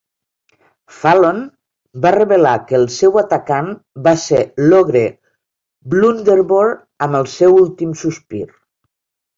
Fallon va revelar que el seu atacant va ser l'ogre Blunderbore amb el seu últim sospir.